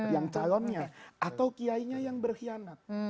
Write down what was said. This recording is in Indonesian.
yang calonnya atau kiainya yang berkhianat